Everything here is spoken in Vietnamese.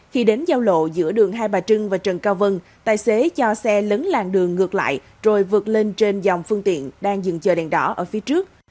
khi đến giao lộ giữa đường hai bà trưng và trần cao vân tài xế cho xe lấn làng đường ngược lại rồi vượt lên trên dòng phương tiện đang dừng chờ đèn đỏ ở phía trước